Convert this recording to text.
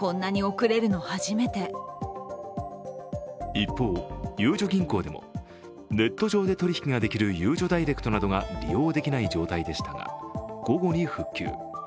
一方ゆうちょ銀行でもネット上で取り引きができるゆうちょダイレクトなどが利用できない状態でしたが、午後に復旧。